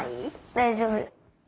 大丈夫。